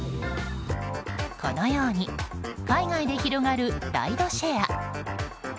このように海外で広がるライドシェア。